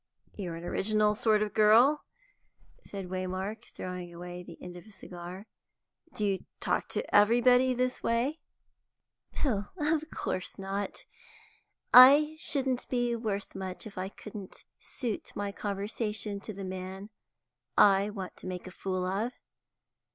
"You're an original sort of girl," said Waymark, throwing away the end of his cigar. "Do you talk to everybody in this way?" "Pooh, of course not. I shouldn't be worth much if I couldn't suit my conversation to the man I want to make a fool of.